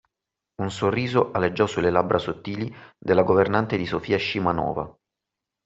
Un sorriso aleggiò sulle labbra sottili della governante di Sofia Scimanova.